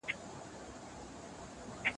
زه به د ليکلو تمرين کړی وي